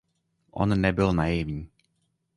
On nebyl naivní.